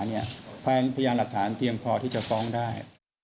ถึงเป็นอันหลักฐานเตรียมพอที่จะฟ้องได้